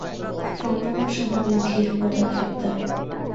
সম্পূর্ণ স্বাভাবিক ধীর পদক্ষেপ তার।